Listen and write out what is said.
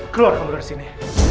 keluar dari sini